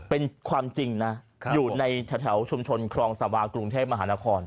เป็นความจริงนะอยู่ในแถวชุมชนครองสวากรุงเทพมหานคร